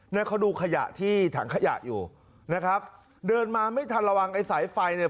เนี่ยเขาดูขยะที่ถังขยะอยู่นะครับเดินมาไม่ทันระวังไอ้สายไฟเนี่ย